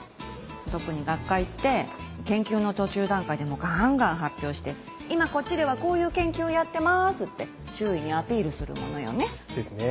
特に学会って研究の途中段階でもガンガン発表して「今こっちではこういう研究やってます」って周囲にアピールするものよね。ですね。